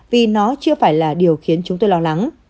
vì nó chưa phải là điều khiến chúng tôi lo lắng